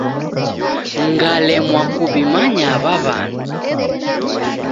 Ngalemwa kuw'imanya aw'a w'andu.